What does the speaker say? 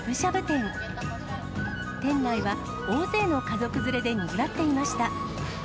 店内は、大勢の家族連れでにぎわっていました。